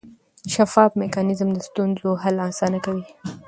شفاف میکانیزم د ستونزو حل اسانه کوي.